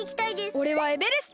おれはエベレスト！